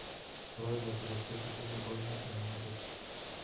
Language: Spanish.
Todas las subespecies tienen cuernos en ambos sexos.